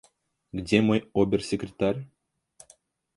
Где мой обер-секретарь?»